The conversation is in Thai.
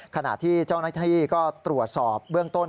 ขณะที่เจ้าหน้าที่ก็ตรวจสอบเบื้องต้น